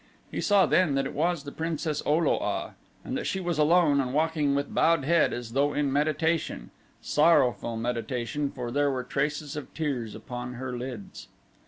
He saw then that it was the princess O lo a and that she was alone and walking with bowed head as though in meditation sorrowful meditation for there were traces of tears upon her lids.